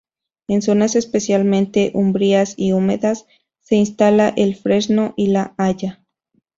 En zonas especialmente umbrías y húmedas, se instala el fresno y la haya.